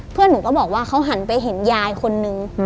หนูก็บอกว่าเขาหันไปเห็นยายคนนึง